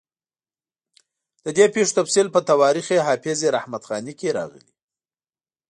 د دې پېښو تفصیل په تواریخ حافظ رحمت خاني کې راغلی.